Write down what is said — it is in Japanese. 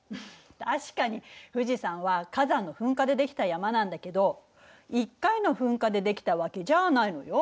確かに富士山は火山の噴火で出来た山なんだけど１回の噴火で出来たわけじゃないのよ。